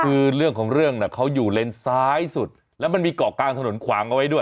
คือเรื่องของเรื่องน่ะเขาอยู่เลนซ้ายสุดแล้วมันมีเกาะกลางถนนขวางเอาไว้ด้วย